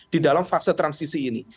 di dalam fase transisi ini